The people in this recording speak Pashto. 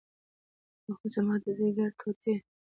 اوه زما د ځيګر ټوټې.